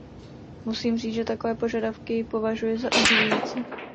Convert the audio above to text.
Musím říct, že takové požadavky považuji za udivující.